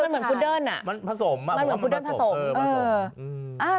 มันเหมือนพุดเดิ้นมันผสมมันเหมือนพุดเดิ้นผสมเออมาสม